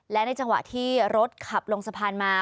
และในจังหวะที่รถขับลงสะพานมา